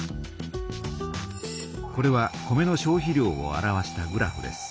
これは米の消費量を表したグラフです。